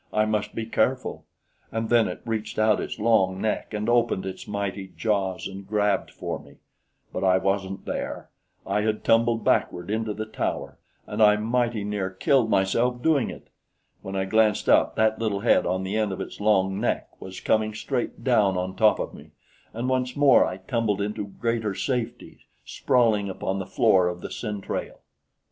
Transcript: I must be careful." And then it reached out its long neck and opened its mighty jaws and grabbed for me; but I wasn't there. I had tumbled backward into the tower, and I mighty near killed myself doing it. When I glanced up, that little head on the end of its long neck was coming straight down on top of me, and once more I tumbled into greater safety, sprawling upon the floor of the centrale.